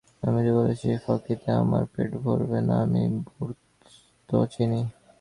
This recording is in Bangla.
আমি তো বলেইছি, ফাঁকিতে আমার পেট ভরবে না–আমি বস্তু চিনি।